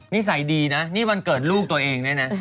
นิสัยดีนะนี่วันเกิดลูกตัวเองด้วยนะ